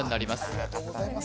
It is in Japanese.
ありがとうございます